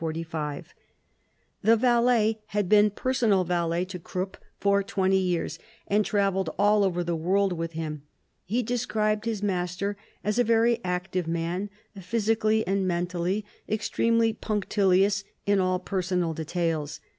The valet had been personal valet to Krupp for 20 years, and traveled all over the world with him. He described his master as a very active man, physically and mentally, extremely punctilious in all personal details.